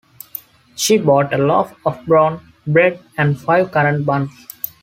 She bought a loaf of brown bread and five currant buns.